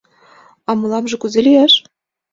— А мыламже кузе лияш?